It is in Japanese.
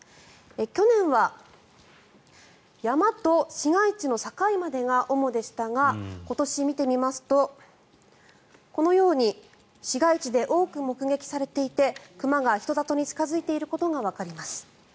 去年は山と市街地の境までが主でしたが今年見てみますとこのように市街地で多く目撃されていて熊が人里に近付いていることがわかります。